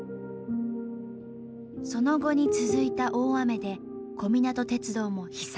その後に続いた大雨で小湊鉄道も被災。